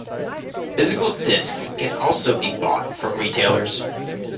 Physical disks can also be bought from retailers.